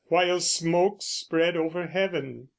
while smoke Spread over heaven.